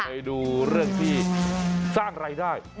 ไปดูเรื่องที่สร้างรายได้